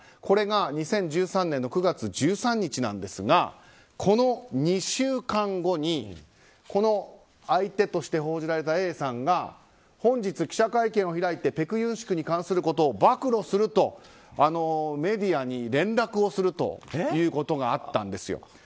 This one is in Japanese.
これが２０１３年の９月１３日なんですがこの２週間後に、この相手として報じられたＡさんが本日、記者会見を開いてペク・ユンシクに関することを暴露するとメディアに連絡するということがあったんですよ。